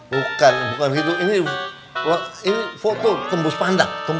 bukan bukan gitu ini foto tembus pandak